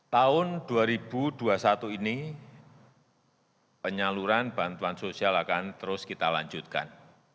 tahun dua ribu dua puluh satu ini penyaluran bantuan sosial akan terus kita lanjutkan